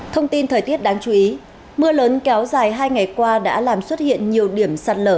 thông tin thời tiết đáng chú ý mưa lớn kéo dài hai ngày qua đã làm xuất hiện nhiều điểm sạt lở